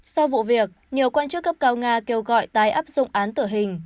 sau vụ việc nhiều quan chức cấp cao nga kêu gọi tái áp dụng án tử hình